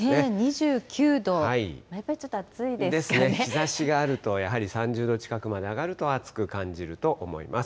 ２９度、ちょっと暑いですかですね、日ざしがあると、やはり３０度近くまで上がると暑く感じると思います。